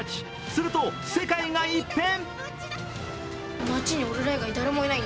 すると、世界が一変！